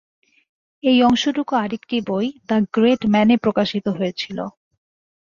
এই অংশটুকু আরেকটি বই "দ্য গ্রে ম্যান"-এ প্রকাশিত হয়েছিল।